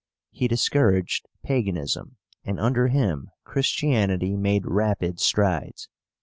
He discouraged Paganism, and under him Christianity made rapid strides.